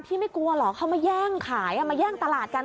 ไม่กลัวเหรอเขามาแย่งขายมาแย่งตลาดกัน